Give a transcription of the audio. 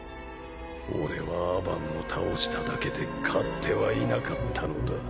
俺はアバンを倒しただけで勝ってはいなかったのだ。